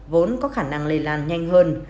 vốn có khả năng lây lan nhanh hơn